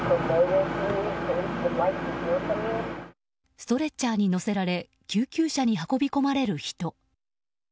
ストレッチャーに乗せられ救急車に運び込まれる人。